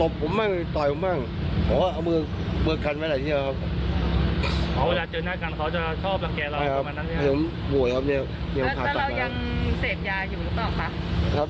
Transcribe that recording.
ครับยอมรับครับเพราะผมมาตัดแผลมาครับ